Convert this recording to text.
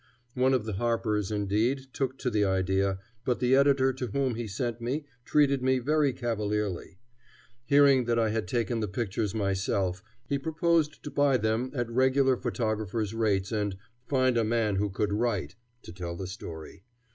One of the Harpers, indeed, took to the idea, but the editor to whom he sent me treated me very cavalierly. Hearing that I had taken the pictures myself, he proposed to buy them at regular photographer's rates and "find a man who could write" to tell the story.